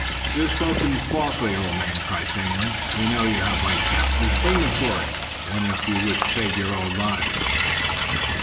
"You have spoken falsely, old man," cries Seguin. "We know you have white captives. Bring them forth, then, if you would save your own lives!"